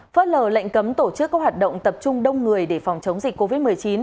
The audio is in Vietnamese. phớt lờ lệnh cấm tổ chức các hoạt động tập trung đông người để phòng chống dịch covid một mươi chín